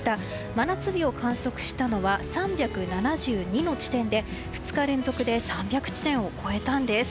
真夏日を観測したのは３７２の地点で２日連続で３００地点を超えたんです。